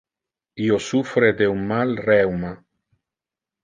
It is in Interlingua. Io suffre de un mal rheuma.